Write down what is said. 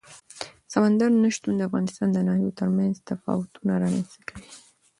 سمندر نه شتون د افغانستان د ناحیو ترمنځ تفاوتونه رامنځ ته کوي.